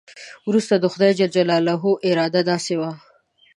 وروسته د خدای جل جلاله اراده داسې وه.